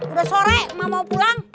udah sore mah mau pulang